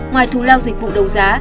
ngoài thu lao dịch vụ đấu giá